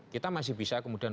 kita masih bisa kemudian